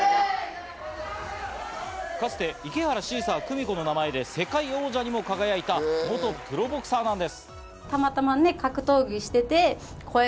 かつて池原シーサー久美子の名前で世界王者にも輝いた元プロボクサーなんです。